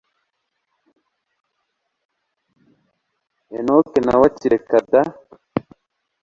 enock nawe ati reka da